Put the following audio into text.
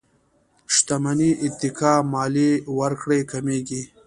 شتمنۍ اتکا ماليې ورکړې کمېږي.